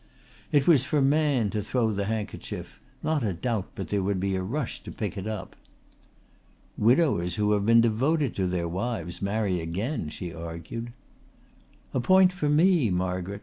It was for man to throw the handkerchief. Not a doubt but there would be a rush to pick it up! "Widowers who have been devoted to their wives marry again," she argued. "A point for me, Margaret!"